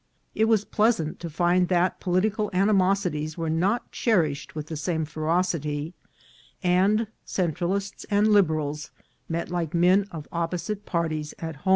It was pleasant to find that political animos ities were not cherished with the same ferocity; and Centralists and Liberals met like men of opposite par ties at home.